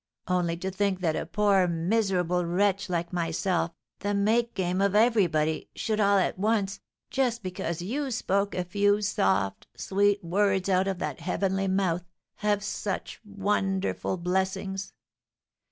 Only to think that a poor, miserable wretch like myself, the make game of everybody, should all at once, just because you spoke a few soft, sweet words out of that heavenly mouth, have such wonderful blessings!